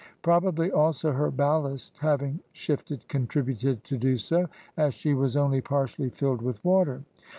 Probably also her ballast having shifted contributed to do so, as she was only partially filled with water.